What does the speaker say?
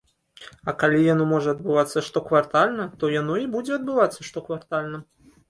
А калі яно можа адбывацца штоквартальна, то яно і будзе адбывацца штоквартальна.